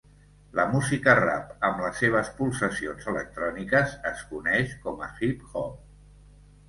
La música rap, amb les seves pulsacions electròniques, es coneix com a hip-hop.